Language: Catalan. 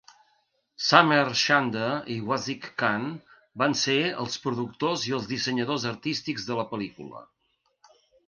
Sameer Chanda i Wasiq Khan van ser els productors i els dissenyadors artístics de la pel·lícula.